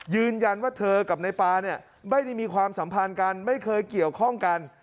ยืนยันว่าเธอกับในปาเนี่ยไม่ได้มีความสัมพันธ์กันไม่เคยเกี่ยวข้องกัน